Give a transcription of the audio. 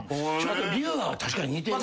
流派は確かに似てるね。